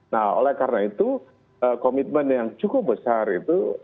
nah oleh karena itu komitmen yang cukup besar itu